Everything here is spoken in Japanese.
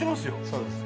そうです。